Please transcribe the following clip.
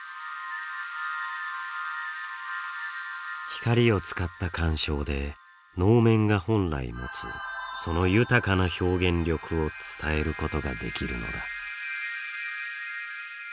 光を使った鑑賞で能面が本来持つその豊かな表現力を伝えることができるのだ。